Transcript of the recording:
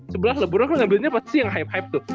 sebelah lebron kan ngambilnya pasti yang hype hype tuh